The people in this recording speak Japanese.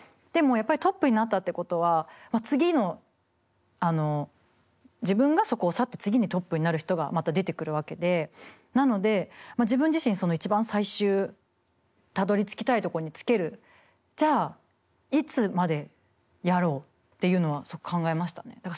でもやっぱりトップになったってことは次のあの自分がそこを去って次にトップになる人がまた出てくるわけでなので自分自身一番最終たどりつきたいところにつけるじゃあいつまでやろうっていうのは考えましたね。